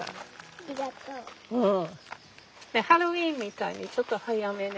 ハロウィンみたいにちょっと早めで。